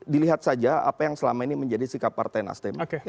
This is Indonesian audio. dilihat saja apa yang selama ini menjadi sikap partai nasdem